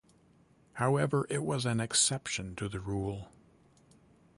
However, it was an exception to the rule.